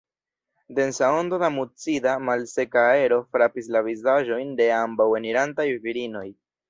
Densa ondo da mucida, malseka aero frapis la vizaĝojn de ambaŭ enirantaj virinoj.